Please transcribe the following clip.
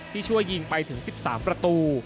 ช่วยยิงไปถึง๑๓ประตู